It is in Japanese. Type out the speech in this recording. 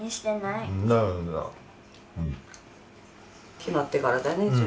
決まってからだね旬はね。